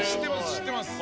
知ってます。